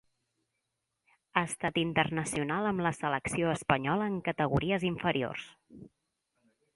Ha estat internacional amb la selecció espanyola en categories inferiors.